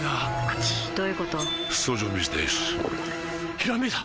ひらめいた！